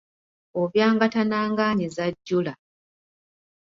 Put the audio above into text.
Obyangatana ng'anyiza ajjula.